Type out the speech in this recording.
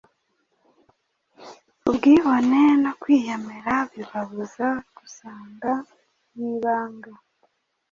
ubwibone no kwiyemera bibabuza gusanga mu ibanga